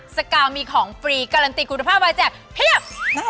สกาวมีของฟรีการันตีคุณภาพวายแจกเพียบ